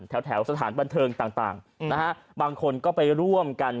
แถวสถานบันเทิงต่างนะฮะบางคนก็ไปร่วมกัน